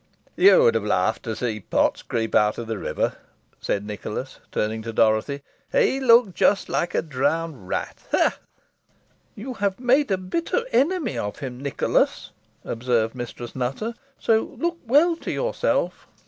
"You would have laughed to see Potts creep out of the river," said Nicholas, turning to Dorothy; "he looked just like a drowned rat ha! ha!" "You have made a bitter enemy of him, Nicholas," observed Mistress Nutter; "so look well to yourself."